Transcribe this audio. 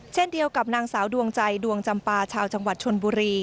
เช่นเดียวกับนางสาวดวงใจดวงจำปาชาวจังหวัดชนบุรี